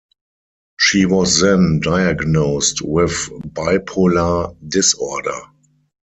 She was then diagnosed with bipolar disorder.